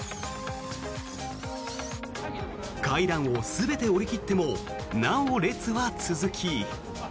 階段を全て下り切ってもなお列は続き。